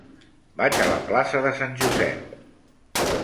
Vaig a la plaça de Sant Josep.